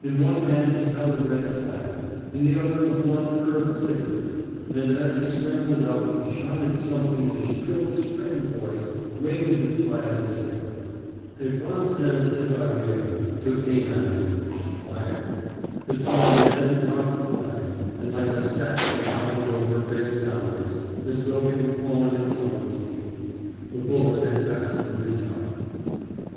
In one hand he held a red flag, in the other a blunt curved sabre, and as he scrambled up, he shouted something in a shrill strained voice, waving his flag and sabre. A Vincennes tirailleur took aim at him fired. The tall man dropped the flag and like a sack he toppled over face downwards, as though he were falling at some one's feet. The bullet had passed through his heart.